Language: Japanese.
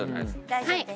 大丈夫です。